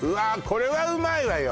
これはうまいわよ